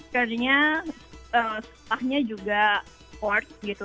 karena setahnya juga support gitu